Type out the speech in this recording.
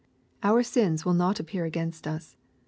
Our sins will not appear against us.